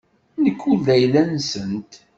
Nekk ur d ayla-nsent.